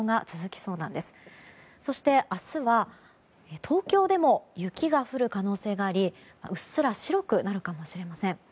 そして明日は東京でも雪が降る可能性がありうっすら白くなるかもしれません。